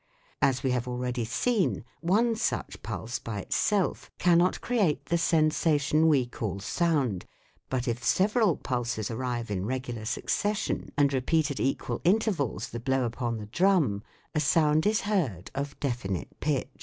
As we have already seen, one such pulse by itself cannot create the sensation we call sound, but if several pulses arrive in regular succession and repeat at equal intervals the blow upon the drum, a sound is heard of definite pitch.